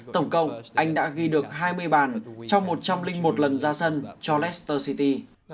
tổng công anh đã ghi được hai mươi bàn trong một trăm linh một lần ra sân cho lester city